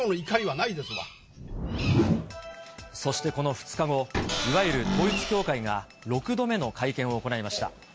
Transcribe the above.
そしてこの２日後、いわゆる統一教会が６度目の会見を行いました。